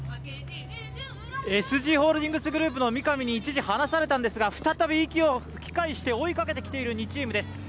ＳＧホールディングスグループの三上に一時離されたんですが再び息を吹き返して追いかけてきている２チームです。